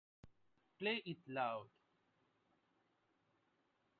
Play it loud.